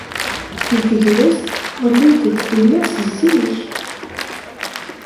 Deg tegrest, ɣellint-d tillas zik.